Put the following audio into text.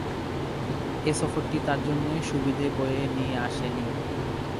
এ সফরটি তার জন্যে সুবিধে বয়ে নিয়ে আসেনি।